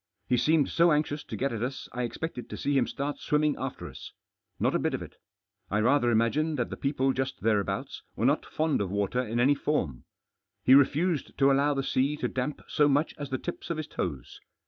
He seemed so anxious to get at us I expected to see him start swimming after us. Not a bit of it. I rather imagine that the people just thereabouts were not fond of water in any form. He refused to allow the sea to damp so much as the tips of his toes.